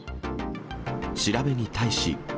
調べに対し。